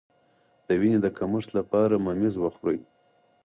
د وینې د کمښت لپاره ممیز وخورئ